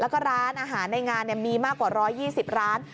แล้วก็ร้านอาหารในงานมีมากกว่า๑๒๐ร้าน